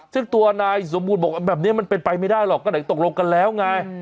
ซึ่งตัวนายสมบูรณ์บอกว่าแบบนี้มันเป็นไปไม่ได้หรอกก็ไหนตกลงกันแล้วไง